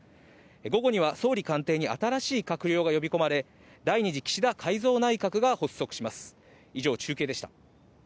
午後には総理官邸に新しい閣僚が呼び込まれ、第２次岸田改造内閣が発足します。